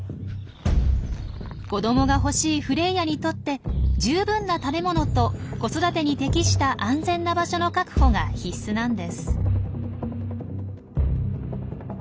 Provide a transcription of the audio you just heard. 子どもが欲しいフレイヤにとって十分な食べ物と子育てに適した安全な場所の確保が必須なんです。